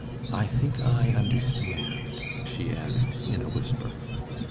"I think I understand," she added, in a whisper.